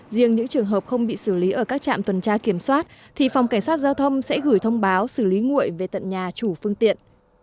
riêng những trường hợp không bị xử lý ở các trạm tuần tra kiểm soát thì phòng cảnh sát giao thông sẽ gửi thông báo xử lý nguội về tận nhà chủ phương tiện